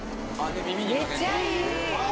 「めっちゃいい！」